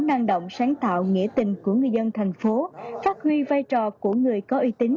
năng động sáng tạo nghĩa tình của người dân thành phố phát huy vai trò của người có uy tín